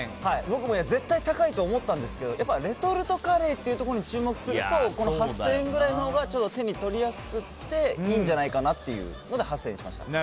僕も絶対高いと思ったんですけどやっぱりレトルトカレーっていうところに注目するとこの８０００円くらいのほうが手に取りやすくていいんじゃないかなというので８０００円にしました。